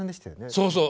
そうそう。